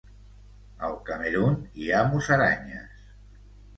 Al Camerun hi ha musaranyes.